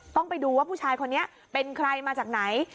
ต้องไปดูว่าผู้ชายคนนี้เป็นใครมาจากไหน